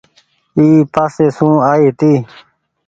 اي پاسي سون آئي هيتي۔